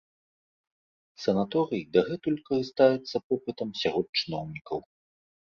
Санаторый дагэтуль карыстаецца попытам сярод чыноўнікаў.